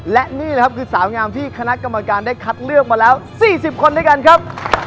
และนี่นะครับคือสาวงามที่คณะกรรมการได้คัดเลือกมาแล้ว๔๐คนด้วยกันครับ